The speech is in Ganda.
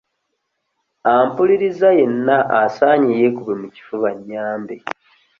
Ampuliriza yenna asaanidde yeekube mu kifuba annyambe.